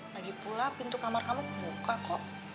lagi pula pintu kamar kamu buka kok